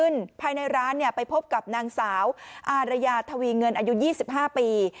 นางสาวอารยาธวีเงินอายุ๒๕ปี